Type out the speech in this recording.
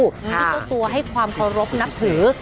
ที่เจ้าตัวให้ความเคารพนับถือ